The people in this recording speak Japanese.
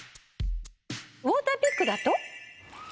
ウォーターピックだと。